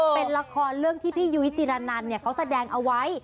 เป็นละครเรื่องที่พี่ยุ้ยจิรนันเขาแสดงเอาไว้